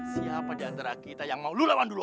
siapa di antara kita yang mau lo lawan duluan